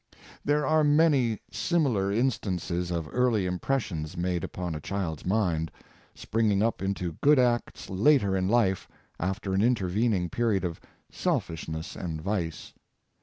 There are many similar instances of early impressions made upon a child's mind, springing up into good acts late in life, after an intervening period of selfishness and vice.